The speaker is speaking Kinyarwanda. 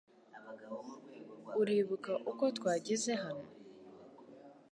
Uribuka uko twageze hano?